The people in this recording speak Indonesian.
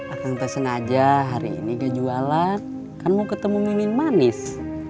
akang tersen aja hari ini gak jualan kan mau ketemu mimin manis